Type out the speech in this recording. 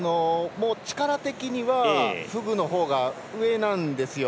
力的にはフグのほうが上なんですよ。